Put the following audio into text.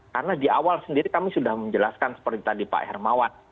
karena di awal sendiri kami sudah menjelaskan seperti tadi pak hermawan